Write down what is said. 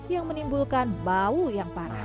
yang menimbulkan bau yang parah